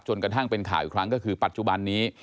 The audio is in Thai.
กระทั่งเป็นข่าวอีกครั้งก็คือปัจจุบันนี้